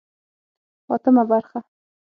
اتمه برخه